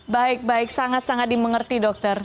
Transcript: baik baik sangat sangat dimengerti dokter